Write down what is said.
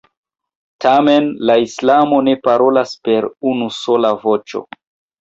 Tamen la islamo ne parolas per unusola voĉo.